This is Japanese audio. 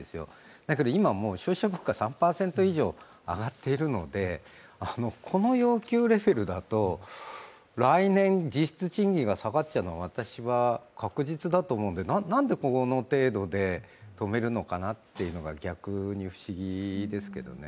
だけど今、３％以上、上がっているのでこの要求だと来年、実質賃金が下がっちゃうのは私は確実だと思うので何でこの程度で止めるのかなというのが逆に不思議ですけどね。